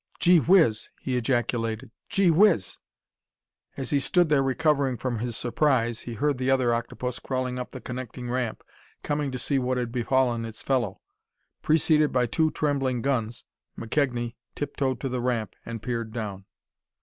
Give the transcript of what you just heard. "Gee whiz!" he ejaculated. "Gee whiz!" As he stood there recovering from his surprise, he heard the other octopus crawling up the connecting ramp, coming to see what had befallen its fellow. Preceded by two trembling guns, McKegnie tiptoed to the ramp and peered down.